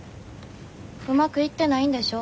うまくいってないんでしょ？